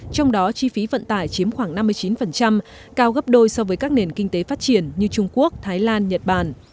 trong đó chi phí vận tải chiếm khoảng năm mươi chín cao gấp đôi so với các nền kinh tế phát triển như trung quốc thái lan nhật bản